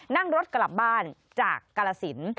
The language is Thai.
นั่งรถกลับบ้านจากกาลสิน